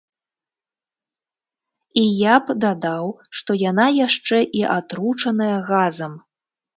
І я б дадаў, што яна яшчэ і атручаная газам.